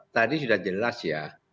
tadi sudah jelas ya